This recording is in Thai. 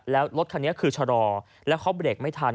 แล้วรถคันนี้คือชะลอแล้วเขาเบรกไม่ทัน